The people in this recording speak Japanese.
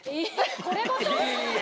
これごと？